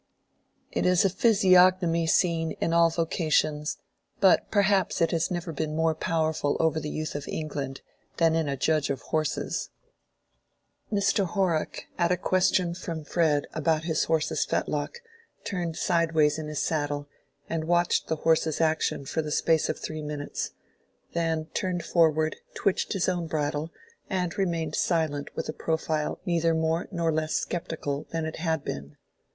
It is a physiognomy seen in all vocations, but perhaps it has never been more powerful over the youth of England than in a judge of horses. Mr. Horrock, at a question from Fred about his horse's fetlock, turned sideways in his saddle, and watched the horse's action for the space of three minutes, then turned forward, twitched his own bridle, and remained silent with a profile neither more nor less sceptical than it had been.